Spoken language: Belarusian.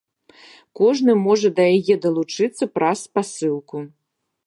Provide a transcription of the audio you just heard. Кожны можа да яе далучыцца праз спасылку.